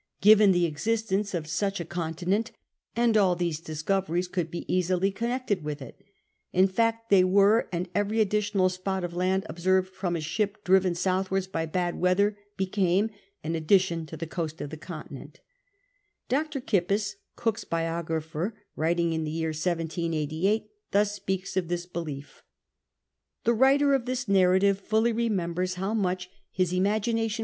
Given the existence of such a continent, and all these discoveries could be easily connected with it In fact, they wore, and every additional spot of land observed from a ship driven southwards by bad weather became an addition to the coast of the continent Dr. Kippis, Cook's biographer, writing in the year 1788, thus speaks of this belief: "The writer of this narrative fully remembers how much his imagination 86 CAPTAIN COOK CHAP.